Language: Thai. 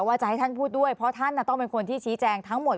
ว่าจะให้ท่านพูดด้วยเพราะท่านต้องเป็นคนที่ชี้แจงทั้งหมด